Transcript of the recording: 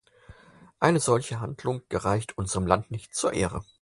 Eine solche Haltung gereicht unserem Land nicht zur Ehre.